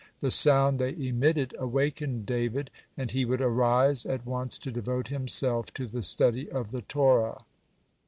The sound they emitted awakened David, and he would arise at once to devote himself to the study of the Torah.